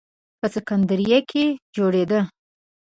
په سکندریه کې جوړېده.